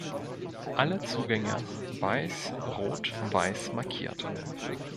Alle Zugänge weiss-rot-weiss markiert.